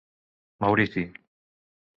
Maurici.